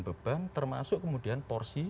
beban termasuk kemudian porsi